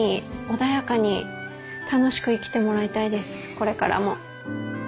これからも。